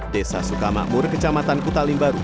desa sukamakmur kecamatan kutalimbaru